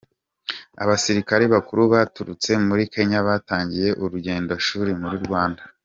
Abasirikare bakuru baturutse muri Kenya batangiye urugendoshuri mu Rwanda